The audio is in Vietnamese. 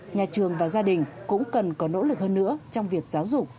nhà trường và gia đình cũng cần có nỗ lực hơn nữa trong việc giáo dục